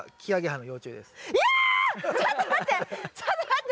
ちょっと待って。